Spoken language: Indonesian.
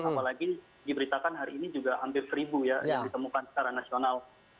apalagi diberitakan hari ini juga hampir seribu ya yang ditemukan secara nasional